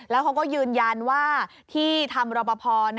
แล้วเขาก็ยืนยันว่าที่ทำรปภ